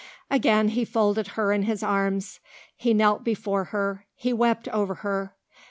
Again he folded her in his arms; he knelt before her; he wept over her.